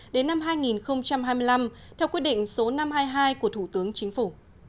đến năm hai nghìn hai mươi năm theo quyết định số năm trăm hai mươi hai của thủ tướng chính phủ